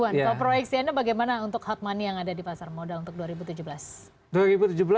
kalau proyeksi anda bagaimana untuk hot money yang ada di pasar modal untuk dua ribu tujuh belas